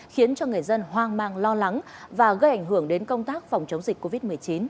khiến cho người dân hoang mang lo lắng và gây ảnh hưởng đến công tác phòng chống dịch covid một mươi chín